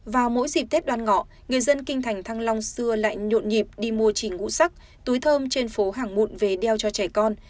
vào mỗi dịp tết đoan ngọ người dân kinh thành thăng long xưa lại nhộn nhịp đi mua chỉn ngũ sắc túi thơm trên phố hàng mụn về đeo cho trẻ con